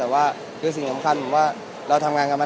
มากมากมาก๑๙วันผมว่าวันนี้มันมันเกิดไป